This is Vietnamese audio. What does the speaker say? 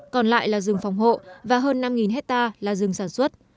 còn lại là rừng phòng hộ và hơn năm hectare là rừng sản xuất